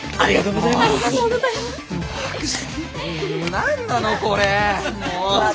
何なのこれもう！